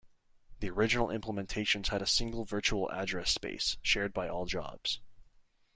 The original implementations had a single virtual address space, shared by all jobs.